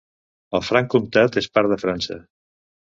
El Franc Comtat és part de França.